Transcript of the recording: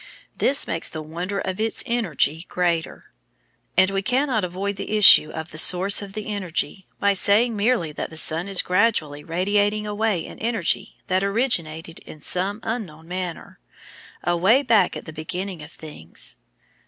This makes the wonder of its energy greater. And we cannot avoid the issue of the source of the energy by saying merely that the sun is gradually radiating away an energy that originated in some unknown manner, away back at the beginning of things.